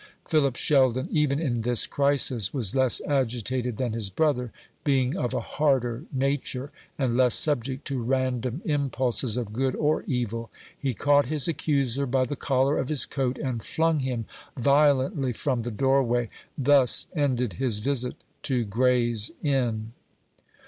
Philip Sheldon, even in this crisis, was less agitated than his brother, being of a harder nature, and less subject to random impulses of good or evil. He caught his accuser by the collar of his coat, and flung him violently from the doorway. Thus ended his visit to Gray's Inn.